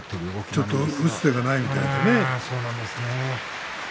ちょっと打つ手がないんじゃないかね。